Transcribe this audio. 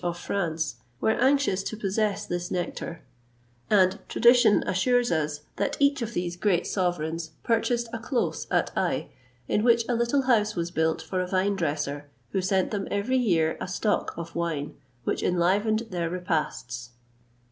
of France, were anxious to possess this nectar, and tradition assures us that each of these great sovereigns purchased a close at Aï, in which a little house was built for a vine dresser, who sent them every year a stock of wine, which enlivened their repasts.